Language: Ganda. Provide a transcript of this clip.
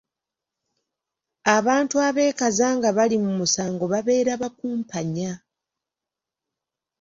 Abantu abeekaza nga bali mu musango babeera bakumpanya.